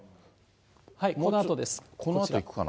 このあとです。